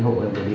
hộ hầm xây